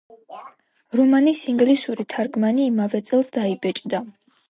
რომანის ინგლისური თარგმანი იმავე წელს დაიბეჭდა.